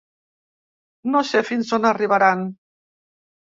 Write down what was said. No sé fins on arribaran.